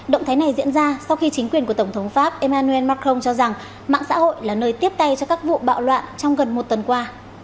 động thái này diễn ra sau khi chính quyền của tổng thống pháp emmanuel macron cho rằng mạng xã hội là nơi tiếp tay cho các vụ bạo loạn trong gần một tuần qua